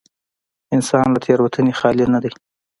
انسان له تېروتنې خالي نه دی.